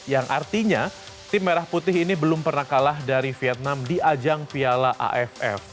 yang artinya tim merah putih ini belum pernah kalah dari vietnam di ajang piala aff